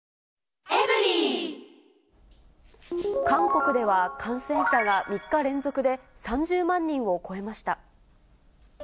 韓国では、感染者が３日連続で３０万人を超えました。